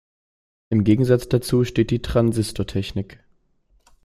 Im Gegensatz dazu steht die Transistortechnik.